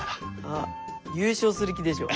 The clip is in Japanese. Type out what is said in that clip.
あっ優勝する気でしょ。